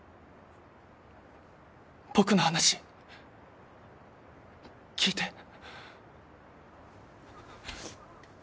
僕の話聞いて。